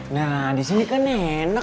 nah disini kan enak